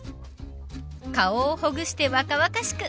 ［顔をほぐして若々しく！